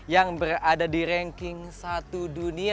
yang berada di ranking satu dunia